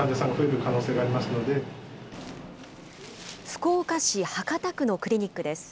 福岡市博多区のクリニックです。